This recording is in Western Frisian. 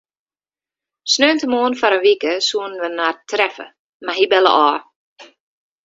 Sneontemoarn foar in wike soene wy inoar treffe, mar hy belle ôf.